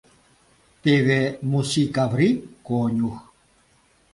Теве Муси Каври — конюх.